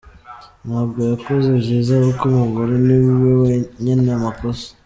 Ntabwo yakoz vyizà kuk umugore niwe nyen amakosa.